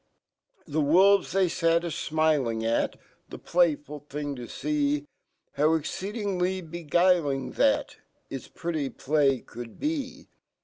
The wol ves , fhey sat aflniling at The playful fhrn$ ,to fee exceedingly beguiling that It 5 pretty play could be.